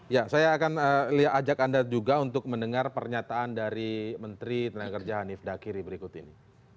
ya saya akan ajak anda juga untuk mendengar pernyataan dari menteri tenaga kerja hanif dakiri berikut ini